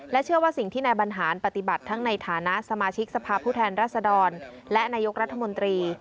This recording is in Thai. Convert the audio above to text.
เชื่อว่าสิ่งที่นายบรรหารปฏิบัติทั้งในฐานะสมาชิกสภาพผู้แทนรัศดรและนายกรัฐมนตรี